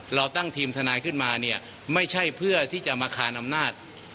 เราตั้งทีมทนายขึ้นมาเนี่ยไม่ใช่เพื่อที่จะมาคานอำนาจ